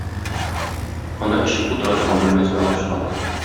Аны эчеп утыра торган бүлмәсенә алып чыгалар.